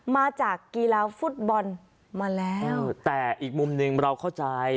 มาจากกีฬาฟุตบอลมาแล้วแต่อีกมุมหนึ่งเราเข้าใจ